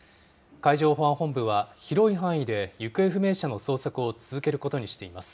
海上保安本部は、広い範囲で行方不明者の捜索を続けることにしています。